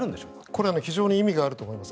これは非常に意味があると思います。